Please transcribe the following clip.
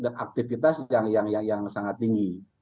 dan aktivitas yang sangat tinggi